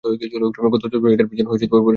গত দশ বছর ধরে এটার পিছনে পড়ে ছিলাম।